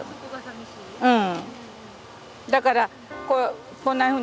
うん。